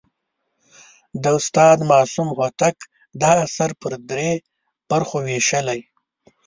د استاد معصوم هوتک دا اثر پر درې برخو ویشلی.